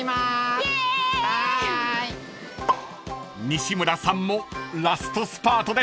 ［西村さんもラストスパートです］